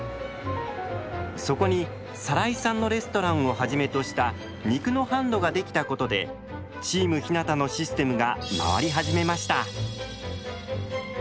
そこに更井さんのレストランをはじめとした肉の販路ができたことで「チーム日向」のシステムが回り始めました。